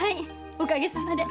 おかげさまで。